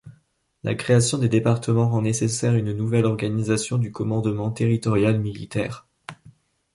La création des départements rend nécessaire une nouvelle organisation du commandement territorial militaire.